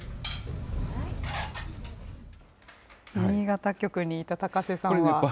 新潟局にいた高瀬さんは。